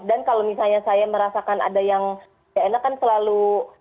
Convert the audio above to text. dan kalau misalnya saya merasakan ada yang tidak enak kan selalu